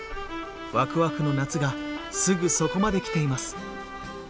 わくわくの夏がすぐそこまで来ています。